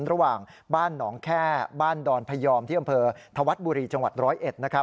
ระหว่างบ้านหนองแค่บ้านดอนพยอมที่อำเภอธวัฒน์บุรีจังหวัดร้อยเอ็ดนะครับ